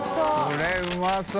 これうまそう！